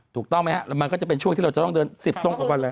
ถูกต้องไหมครับมันก็จะเป็นช่วงที่เราจะต้องเดิน๑๐ตรงกับวันเลย